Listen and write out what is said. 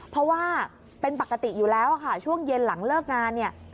เพราะว่าเป็นปกติอยู่แล้วค่ะช่วงเย็นหลังเลิกงานเนี่ย